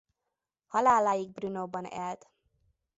Haláláig Brnóban élt.